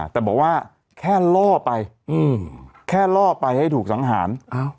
แต่บอกว่าแค่ล่อไปแค่ล่อไปให้ถูกสังหาร